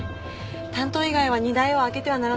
担当以外は荷台を開けてはならない規則で。